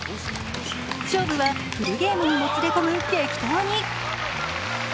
勝負はフルゲームにもつれ込む激闘に。